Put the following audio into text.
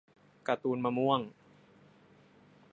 การ์ตูนมะม่วง